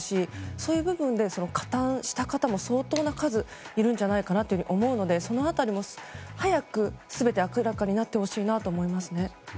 そういう部分で加担した方も相当な数いるんじゃないかなと思うのでその辺りも早く全て明らかになってほしいです。